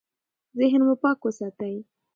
ذهن مو پاک وساتئ.